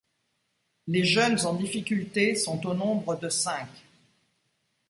Les jeunes en difficulté sont au nombre de cinq.